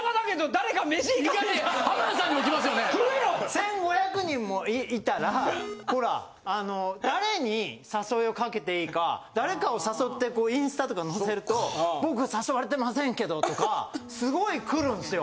１５００人もいたらほら誰に誘いをかけていいか誰かを誘ってインスタとか載せると「僕誘われてませんけど」とかすごい来るんっすよ。